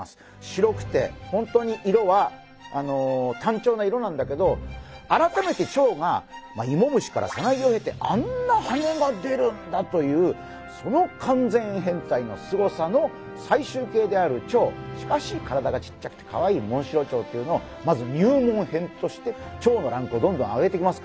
白くて本当に色は単調な色なんだけど改めてチョウがいもむしからさなぎを経てあんなはねが出るんだというその完全変態のすごさの最終形であるチョウしかし体がちっちゃくてかわいいモンシロチョウっていうのをまず入門編としてチョウのランクをどんどん上げていきますから。